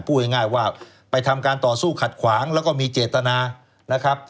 พูดง่ายว่าไปทำการต่อสู้ขัดขวางแล้วก็มีเจตนานะครับ